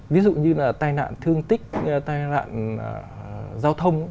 ví dụ như là tai nạn thương tích tai nạn giao thông